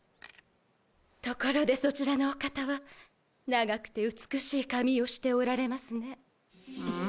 ところでそちらのお方は長くて美しい髪をしておられますね。